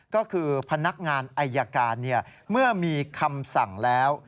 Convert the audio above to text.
ก็คือพนักงานอายการเมื่อมีคำสั่งแล้ว